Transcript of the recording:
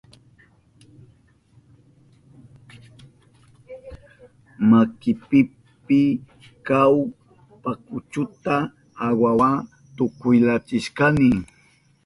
Makinipi kahuk pukuchuta aguhawa tukyachishkani.